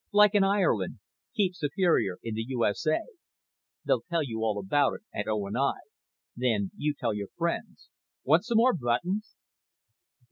"Like in Ireland. Keep Superior in the U. S. A. They'll tell you all about it at O. & I. Then you tell your friends. Want some more buttons?"